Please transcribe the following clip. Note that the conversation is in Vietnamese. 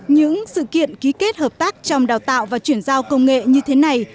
những sự kiện ký kết hợp tác trong đào tạo và chuyển giao công nghệ như thế này